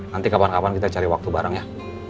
nanti kapan kapan kita cari waktu bareng ya